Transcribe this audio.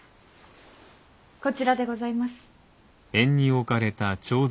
こちらでございます。